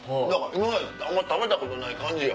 今まで食べたことない感じや。